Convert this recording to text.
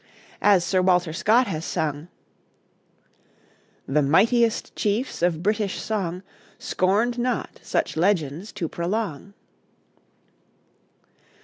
As Sir Walter Scott has sung: "The mightiest chiefs of British song Scorned not such legends to prolong."